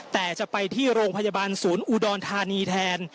แต่จะไปที่โรงพยาบาลศูนย์อุดรธานีแทน